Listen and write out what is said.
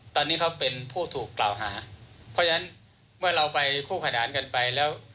ตอนนี้เขาเป็นผู้ถูกกล่าวหาเพราะฉะนั้นเมื่อเราไปคู่ขนานกันไปแล้ว